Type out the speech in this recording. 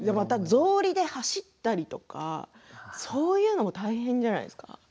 草履で走ったりとかそういうのも大変じゃないですか。